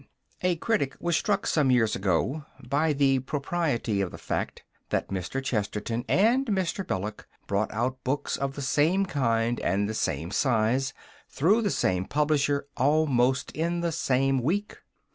A critic was struck some years ago by the propriety of the fact that Mr. Chesterton and Mr. Belloc brought out books of the same kind and the same size, through the same publisher, almost in the same week.